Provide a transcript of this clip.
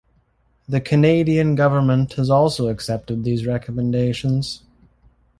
The Canadian government has also accepted these recommendations.